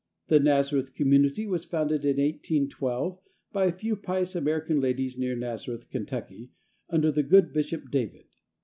The Nazareth community was founded in 1812 by a few pious American ladies near Nazareth, Ky., under the good Bishop David.